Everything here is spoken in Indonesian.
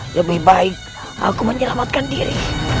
lebih baik aku menyelamatkan diri